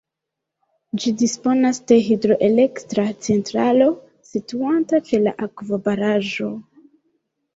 Ĝi disponas de hidroelektra centralo situanta ĉe la akvobaraĵo.